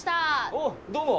おっどうも。